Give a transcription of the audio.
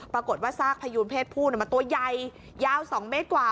ปรากฏว่าซากพยูนเพศผู้มันตัวใหญ่ยาว๒เมตรกว่า